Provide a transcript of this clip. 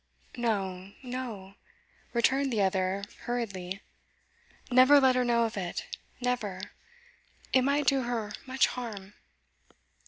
'No, no,' returned the other hurriedly. 'Never let her know of it never. It might do her much harm.